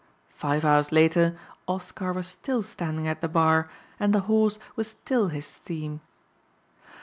Five hours later Oscar was still standing at the bar and the horse was still his theme.